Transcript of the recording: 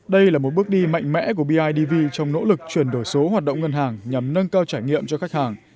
đây là một bước đi mạnh mẽ của bidv trong nỗ lực chuyển đổi số hoạt động ngân hàng nhằm nâng cao trải nghiệm cho khách hàng